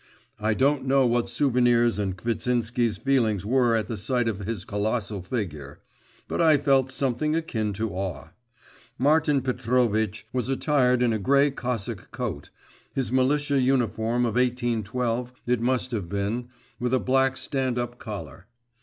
I don't know what Souvenir's and Kvitsinsky's feelings were at the sight of his colossal figure; but I felt something akin to awe. Martin Petrovitch was attired in a grey Cossack coat his militia uniform of 1812 it must have been with a black stand up collar.